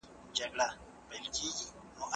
هیوادونه نړیوالو اصولو ته بې ارزښته نه ګوري.